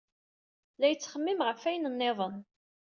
La yettxemmim ɣef wayen niḍen.